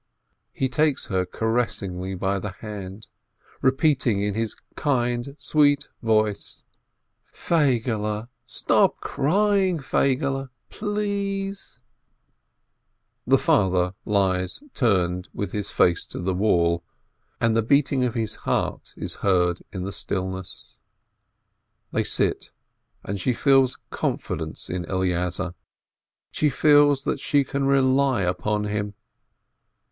He takes her caressingly by the hands, repeating in his kind, sweet voice, "Feigele, stop crying, Feigele, please !" The father lies turned with his face to the wall, and the beating of his heart is heard in the stillness. They sit, and she feels confidence in Eleazar, she feels that she can rely upon him.